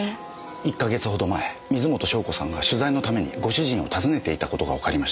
１か月ほど前水元湘子さんが取材のためにご主人を訪ねていた事がわかりました。